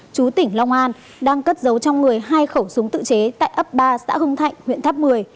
chú tỉnh long an đang cất giấu trong người hai khẩu súng tự chế tại ấp ba xã hưng thạnh huyện tháp một mươi